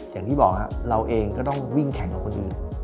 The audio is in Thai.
อย่างที่บอกครับเราเองก็ต้องวิ่งแข่งกับคนอื่น